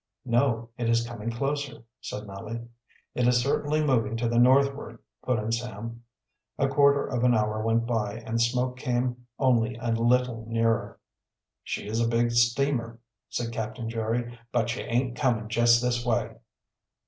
"No, it is coming closer," said Nellie. "It is certainly moving to the northward," put in Sam. A quarter of an hour went by and the smoke came only a little nearer. "She is a big steamer," said Captain Jerry. "But she aint comin' jest this way."